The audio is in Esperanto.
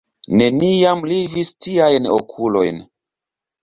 Neniam li vidis tiajn okulojn.